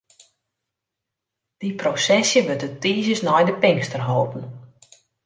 Dy prosesje wurdt de tiisdeis nei de Pinkster holden.